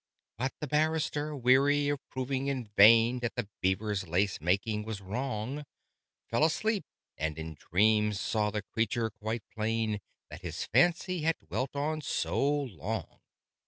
But the Barrister, weary of proving in vain That the Beaver's lace making was wrong, Fell asleep, and in dreams saw the creature quite plain That his fancy had dwelt on so long.